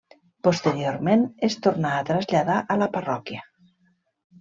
Posteriorment es tornà a traslladar a la parròquia.